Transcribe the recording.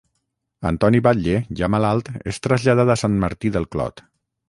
Antoni Batlle, ja malalt és traslladat a Sant Martí del Clot.